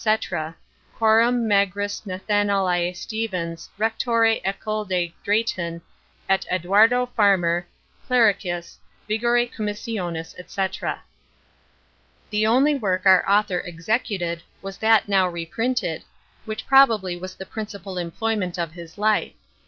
coram Mag'ris Nathanaele Stephens Rectore Eccl. de Drayton, et Edwardo Farmer, Clericis, vigore commissionis, &c. The only work our author executed was that now reprinted, which probably was the principal employment of his life.